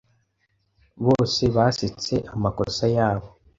Bose basetse amakosa yabo.